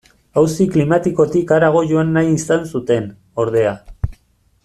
Auzi klimatikotik harago joan nahi izan zuten, ordea.